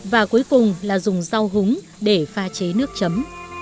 và cuối cùng là dùng rau húng để pha chế nước chấm